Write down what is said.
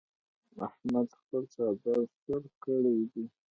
احمد خپل څادر سور کړ دی.